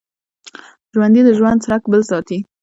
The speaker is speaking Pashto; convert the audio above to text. ژوندي د ژوند څرک بل ساتي